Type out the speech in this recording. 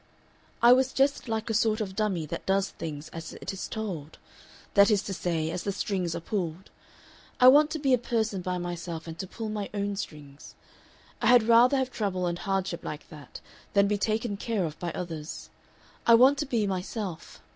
I was just like a sort of dummy that does things as it is told that is to say, as the strings are pulled. I want to be a person by myself, and to pull my own strings. I had rather have trouble and hardship like that than be taken care of by others. I want to be myself.